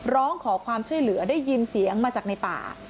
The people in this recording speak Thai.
ร้องขอความช่วยเหลือได้ยินเสียงมาจากในป่า